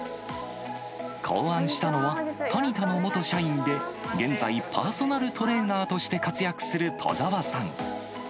考案したのは、タニタの元社員で、現在、パーソナルトレーナーとして活躍する戸澤さん。